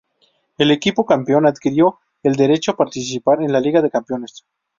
El equipo campeón adquirió el derecho a participar en la Liga de Campeones.